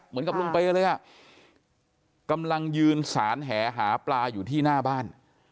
เหมือนกับลุงเปย์เลยอ่ะกำลังยืนสารแหหาปลาอยู่ที่หน้าบ้าน